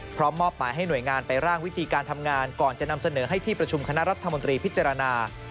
มอบหมายให้หน่วยงานไปร่างวิธีการทำงานก่อนจะนำเสนอให้ที่ประชุมคณะรัฐมนตรีพิจารณา